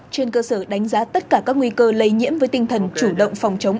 trên cơ sở đánh giá tất cả các nguy cơ lây nhiễm với tinh thần chủ động phòng chống